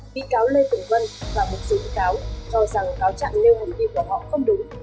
vị cáo lê tùng vân và một số vị cáo cho rằng cáo chặn nêu hành kỳ của họ không đúng